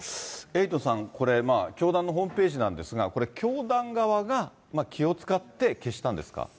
エイトさん、これ、教団のホームページなんですが、これ、教団側が気を遣って、消したんですか？